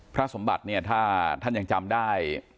พระสมบัติเนี่ยถ้าท่านยังจำได้